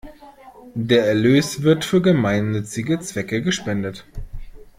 Der Erlös wird für gemeinnützige Zwecke gespendet.